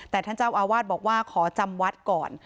แต่ท่านเจ้าอาวาสบอกว่าขอจำวัดก่อน